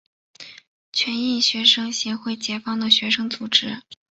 全印学生协会解放的学生组织。